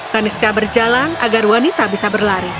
kaniska berjalan agar wanita bisa berlari